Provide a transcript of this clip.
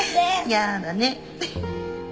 やーだね。